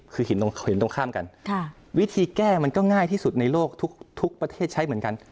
คือเห็นตรงข้ามกันวิธีแก้มันก็ง่ายที่สุดในโลกทุกประเทศใช้เหมือนกัน